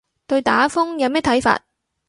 對打風有咩睇法